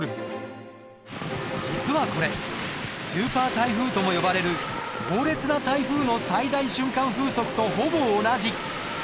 実はこれスーパー台風とも呼ばれる猛烈な台風の最大瞬間風速とほぼ同じ。